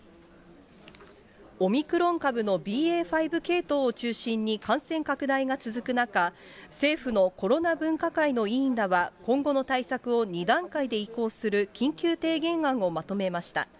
オミクロン株のＢＡ．５系統を中心に、感染拡大が続く中、政府のコロナ分科会の委員らは、今後の対策を２段階で移行する緊急提言案をまとめました。